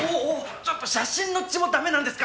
ちょっと写真の血も駄目なんですか？